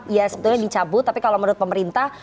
ya sebetulnya dicabut tapi kalau menurut pemerintah